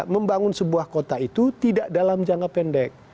membangun sebuah kota itu tidak dalam jangka pendek